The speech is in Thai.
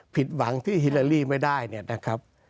ผิดหวังที่ฮิลาลีไม่ได้เนี่ยนะครับ